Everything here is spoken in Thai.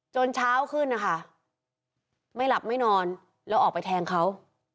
เช้าขึ้นนะคะไม่หลับไม่นอนแล้วออกไปแทงเขา